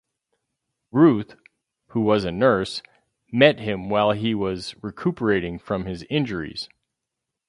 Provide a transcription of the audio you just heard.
Ruth, who was a nurse, met him while he was recuperating from his injuries.